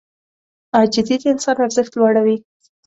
عاجزي د انسان ارزښت لوړوي.